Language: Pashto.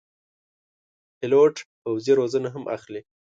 پیلوټ پوځي روزنه هم اخلي.